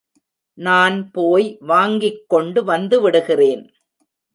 நான் போய் வாங்கிக்கொண்டு வந்துவிடுகிறேன்.